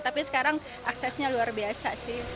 tapi sekarang aksesnya luar biasa sih